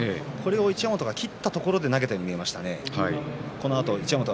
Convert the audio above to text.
一山本が切ったところで投げたように見えました。